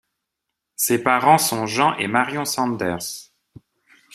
Ses parents sont Jean et Marion Sanders.